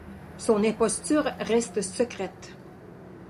Son imposture reste secrète.